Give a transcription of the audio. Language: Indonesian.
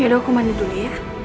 yaudah aku mandi dulu ya